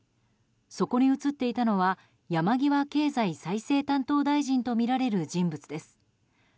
そこに写っていたのは山際経済再生担当大臣とみられる人物です。